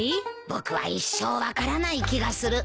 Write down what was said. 僕は一生分からない気がする。